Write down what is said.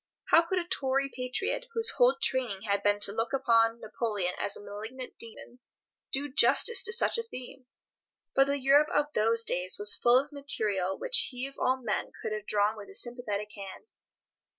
How could a Tory patriot, whose whole training had been to look upon Napoleon as a malignant Demon, do justice to such a theme? But the Europe of those days was full of material which he of all men could have drawn with a sympathetic hand.